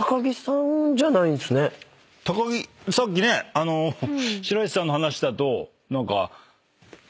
高木さっきね白石さんの話だと何か。